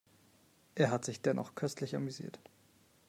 Er hat sich dennoch köstlich amüsiert.